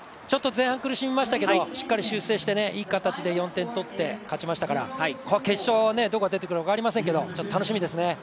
前半苦しみましたけど修正して、いい形で４点取って勝ちましたから決勝、どこが出てくるか分かりませんけど楽しみですね。